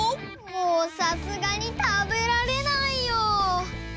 もうさすがにたべられないよ！